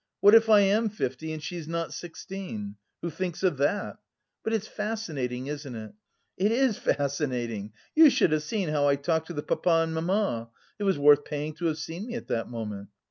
What if I am fifty and she is not sixteen? Who thinks of that? But it's fascinating, isn't it? It is fascinating, ha ha! You should have seen how I talked to the papa and mamma. It was worth paying to have seen me at that moment.